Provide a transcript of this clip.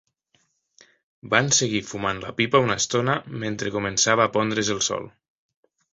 Van seguir fumant la pipa una estona mentre començava a pondre's el sol.